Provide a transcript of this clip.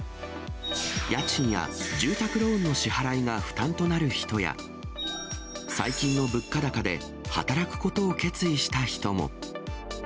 家賃や住宅ローンの支払いが負担となる人や、最近の物価高で働くことを決意した人も。